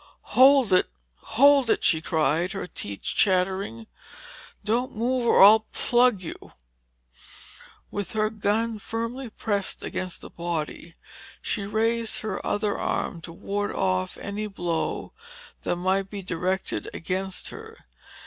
"Hold it! hold it!" she cried, her teeth chattering. "Don't move or I'll plug you!" With her gun firmly pressed against the body, she raised her other arm to ward off any blow that might be directed against her.